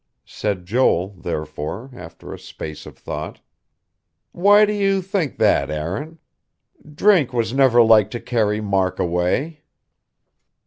Said Joel, therefore, after a space of thought: "Why do you think that, Aaron? Drink was never like to carry Mark away."